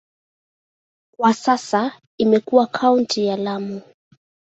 Kwa sasa imekuwa kaunti ya Lamu.